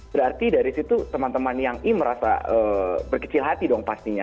berarti dari situ teman teman yang i merasa berkecil hati dong pastinya